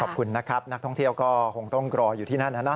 ขอบคุณนะครับนักท่องเที่ยวก็คงต้องรออยู่ที่นั่นนะ